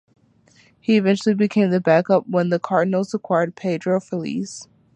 He eventually became the backup when the Cardinals acquired Pedro Feliz.